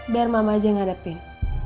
biar mama aja ngarepin